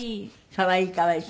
可愛い可愛い。